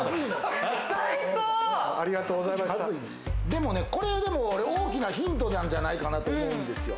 でもこれ大きなヒントなんじゃないかなと思うんですよ。